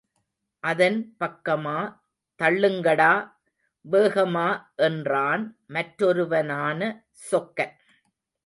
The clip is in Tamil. அதன் பக்கமா தள்ளுங்கடா வேகமா என்றான் மற்றொருவனான சொக்கன்.